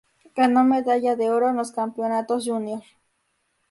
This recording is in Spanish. Ganó medalla de oro en los campeonatos Jr.